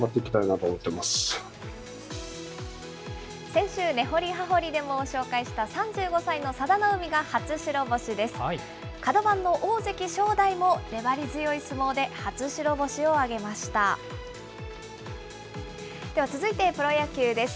先週、ねホリはホリでもご紹介した３５歳の佐田の海が初白星です。